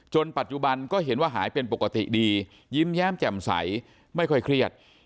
ปัจจุบันก็เห็นว่าหายเป็นปกติดียิ้มแย้มแจ่มใสไม่ค่อยเครียด